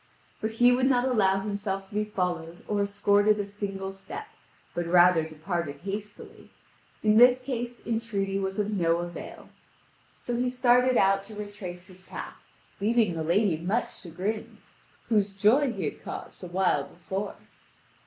But he would not allow himself to be followed or escorted a single step, but rather departed hastily: in this case entreaty was of no avail. So he started out to retrace his path, leaving the lady much chagrined, whose joy he had caused a while before.